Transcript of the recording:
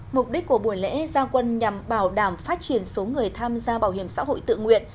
mục đích của buổi lễ gia quân nhằm bảo đảm phát triển số người tham gia bảo hiểm xã hội tự nguyện